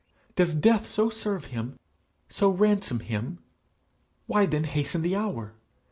does Death so serve him so ransom him? Why then hasten the hour?